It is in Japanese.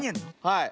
はい。